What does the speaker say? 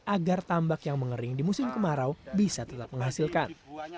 agar tambak yang mengering di musim kemarau bisa tetap menghasilkan